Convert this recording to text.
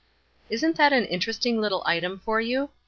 Isn't that an interesting little item for you?